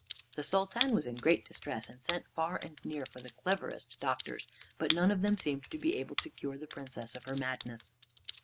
The Sultan was in great distress, and sent far and near for the cleverest doctors. But none of them seemed to be able to cure the Princess of her madness.